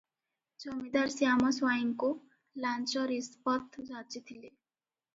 ଜମିଦାର ଶ୍ୟାମ ସ୍ୱାଇଁଙ୍କୁ ଲାଞ୍ଚ ରିସପତ୍ ଯାଚିଥିଲେ ।